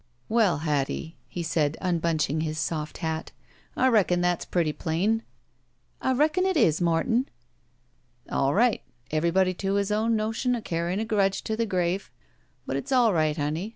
"Well, Hattie," he said, unbundling his soft hat, "I reckon that's pretty plain." "I reckon it is, Morton." "All right. Everybody to his own notion of canyin' a grudge to the grave. But it's all right, honey.